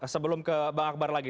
sebelum ke bang akbar lagi